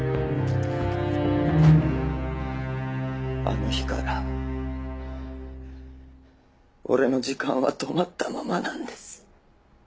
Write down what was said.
あの日から俺の時間は止まったままなんです。